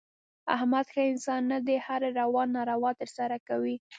احمد ښه انسان نه دی. هره روا ناروا ترسه کوي.